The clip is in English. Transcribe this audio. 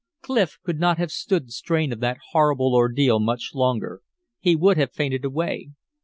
Clif could not have stood the strain of that horrible ordeal much longer; he would have fainted away.